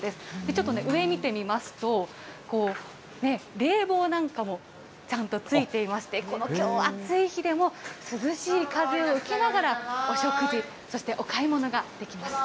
ちょっとね、上見てみますと、こう、冷房なんかもちゃんとついていまして、このきょう、暑い日でも涼しい風を受けながらお食事、そしてお買い物ができます。